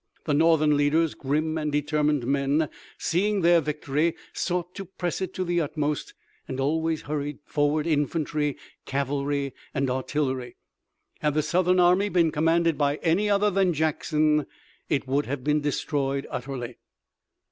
The Northern leaders, grim and determined men, seeing their victory sought to press it to the utmost, and always hurried forward infantry, cavalry and artillery. Had the Southern army been commanded by any other than Jackson it would have been destroyed utterly.